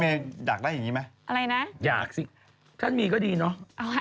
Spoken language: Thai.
เมย์อยากได้อย่างนี้ไหมอยากสิถ้ามีก็ดีเนอะ